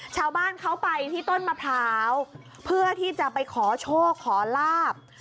ชาวบ้านเขาไปที่ต้นมะพร้าวเพื่อที่จะไปขอโชคขอลาบ